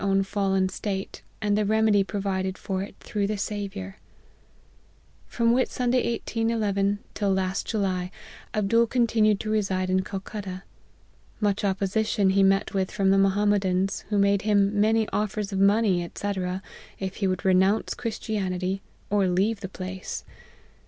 own fallen state, and the remedy provided for it through the Saviour. "From Whit Sunday 1811, till last July, Abdool continued to reside in Calcutta. Much opposition he met with from the Mohammedans, who made him many offers of money, &c., if he would re nounce Christianity, or leave the place.